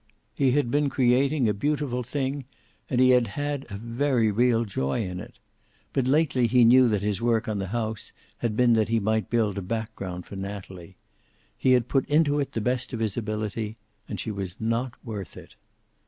He had been creating a beautiful thing, and he had had a very real joy in it. But lately he knew that his work on the house had been that he might build a background for Natalie. He had put into it the best of his ability, and she was not worth it.